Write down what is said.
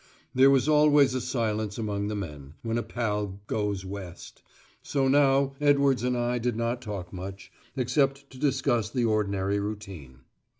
There was always a silence among the men, when a pal "goes west"; so now Edwards and I did not talk much, except to discuss the ordinary routine.